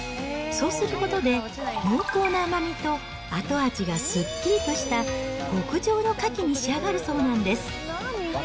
そうすることで、濃厚な甘みと、後味がすっきりとした、極上のカキに仕上がるそうなんです。